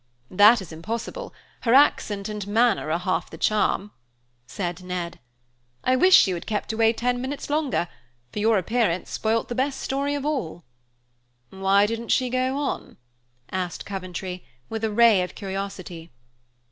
"That is impossible; her accent and manner are half the charm," said Ned. "I wish you had kept away ten minutes longer, for your appearance spoilt the best story of all." "Why didn't she go on?" asked Coventry, with a ray of curiosity.